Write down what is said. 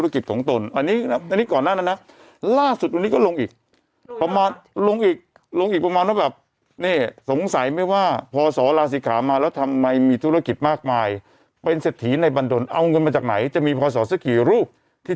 ข้อความของพี่ศรีมาข้อความพี่ศรี